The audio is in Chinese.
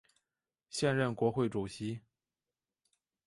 现任国会主席。